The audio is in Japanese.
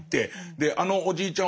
であのおじいちゃん